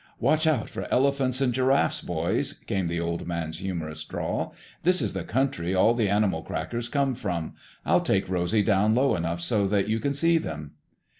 "Watch out for elephants and giraffes, boys," came the Old Man's humorous drawl. "This is the country all the animal crackers come from. I'll take Rosy down low enough so that you can see them."